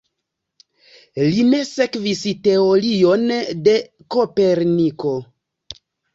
Li ne sekvis teorion de Koperniko.